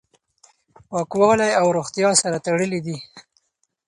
پاکوالی او روغتیا سره تړلي دي.